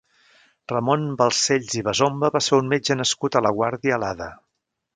Ramon Balcells i Basomba va ser un metge nascut a La Guàrdia Lada.